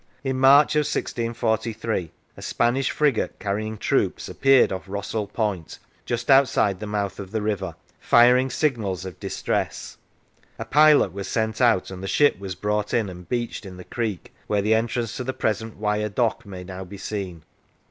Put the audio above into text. In March of 1643 a Spanish frigate, carrying troops, appeared off Rossall Point, just outside the mouth of the river, firing signals of distress. A pilot was sent out, and the ship was brought in and beached in the creek where the entrance to the present Wyre dock may now be seen.